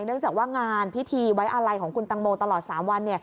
เนื่องจากว่างานพิธีไว้อาลัยของคุณตังโมตลอด๓วัน